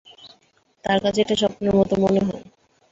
তার কাছে এটা স্বপ্নের মত মনে হয়।